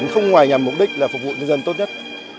không ngoài nhằm mục đích là phục vụ nhân dân tốt nhất